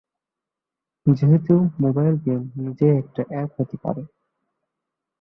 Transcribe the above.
যেহেতু mobile game নিজেই একটা অ্যাপ হতে পারে।